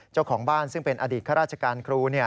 เจ้าของบ้านซึ่งเป็นอดีตข้าราชการครู